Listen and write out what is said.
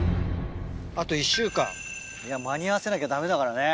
あと１週間間に合わせなきゃダメだからね。